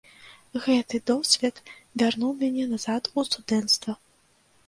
Гэты досвед вярнуў мяне назад у студэнцтва.